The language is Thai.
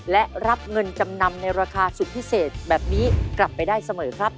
และรับเงินจำนำในราคาสุดพิเศษแบบนี้กลับไปได้เสมอครับ